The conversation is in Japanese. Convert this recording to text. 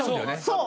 そう！